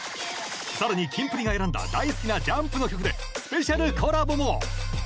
更にキンプリが選んだ大好きなＪＵＭＰの曲でスペシャルコラボも！